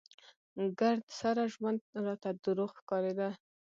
ګرد سره ژوند راته دروغ ښکارېده.